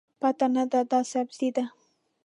پته نه ده، دا سبزي ده.